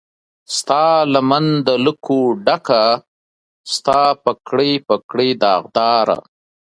ستالمن د لکو ډکه، ستا پګړۍ، پګړۍ داغداره